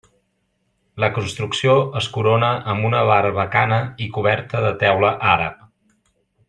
La construcció es corona amb una barbacana i coberta de teula àrab.